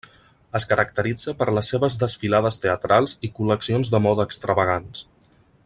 Es caracteritza per les seves desfilades teatrals i col·leccions de moda extravagants.